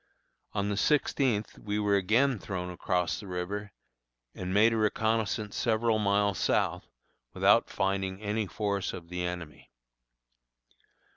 On the sixteenth we were again thrown across the river, and made a reconnoissance several miles south, without finding any force of the enemy.